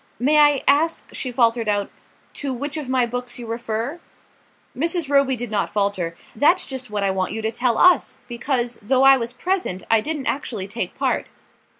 "May I ask," she faltered out, "to which of my books you refer?" Mrs. Roby did not falter. "That's just what I want you to tell us; because, though I was present, I didn't actually take part."